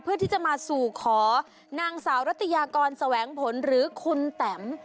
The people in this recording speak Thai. เพื่อที่จะมาสู่ขอนางสาวรัตยากรแสวงผลหรือคุณแตม